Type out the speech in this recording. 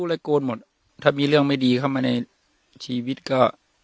เลยโกนหมดถ้ามีเรื่องไม่ดีเข้ามาในชีวิตก็